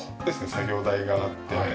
作業台があって。